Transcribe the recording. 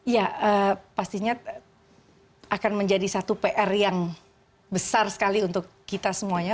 ya pastinya akan menjadi satu pr yang besar sekali untuk kita semuanya